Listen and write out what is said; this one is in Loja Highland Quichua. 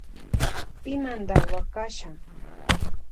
Pimanda huakasha.